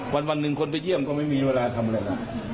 วันหนึ่งคนไปเยี่ยมก็ไม่มีเวลาทำอะไรล่ะ